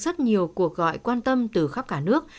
rất nhiều cuộc gọi quan tâm từ khắp cả nước